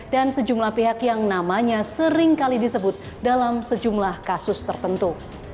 dan sejumlah pihak yang namanya seringkali disebut dalam sejumlah kasus tertentu